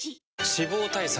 脂肪対策